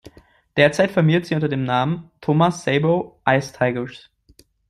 Derzeit firmiert sie unter dem Namen "Thomas Sabo Ice Tigers".